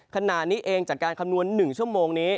ขณะนี้เองจากการคำนวณ๑ชั่วโมงนี้